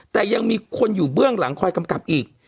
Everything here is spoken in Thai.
แต่ยังมีคนอยู่เบื้องหลังคอยกำกับอีก